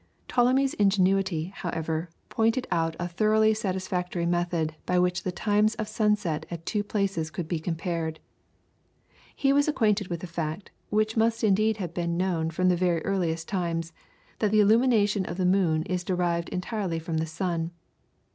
Ptolemy's ingenuity, however, pointed out a thoroughly satisfactory method by which the times of sunset at two places could be compared. He was acquainted with the fact, which must indeed have been known from the very earliest times, that the illumination of the moon is derived entirely from the sun.